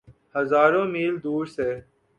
ہزاروں میل دور سے۔